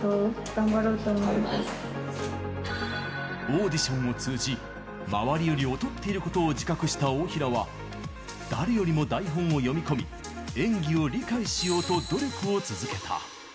オーディションを通じ周りより劣っていることを自覚した大平は、誰よりも台本を読み込み演技を理解しようと努力を続けた。